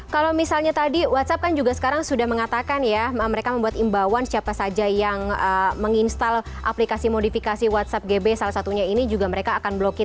kalau misalnya tadi whatsapp kan juga sekarang sudah mengatakan ya mereka membuat imbauan siapa saja yang menginstal aplikasi modifikasi whatsapp gb salah satunya ini juga mereka akan blokir